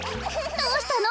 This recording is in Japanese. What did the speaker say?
どうしたの？